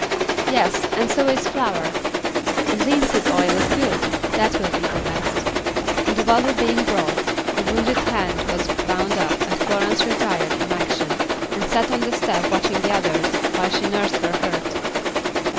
"Yes, and so is flour; and linseed oil is good; that will be the best," and the bottle being brought, the wounded hand was bound up and Florence retired from action and sat on the step watching the others, while she nursed her hurt.